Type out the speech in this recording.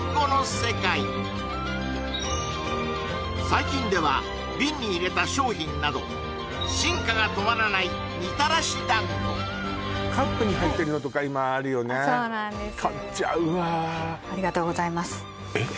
最近では瓶に入れた商品など進化が止まらないみたらし団子カップに入ってるのとか今あるよねそうなんですえっ？